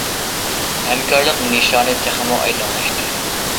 ھەمكارلىق نىشانى تېخىمۇ ئايدىڭلاشتى.